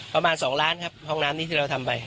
ประมาณ๒ล้านครับห้องน้ำนี้ที่เราทำไป